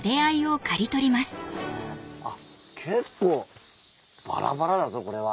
あっ結構バラバラだぞこれは。